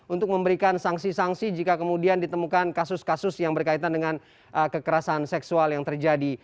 untuk memberikan sanksi sanksi jika kemudian ditemukan kasus kasus yang berkaitan dengan kekerasan seksual yang terjadi